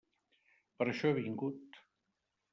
Per això he vingut.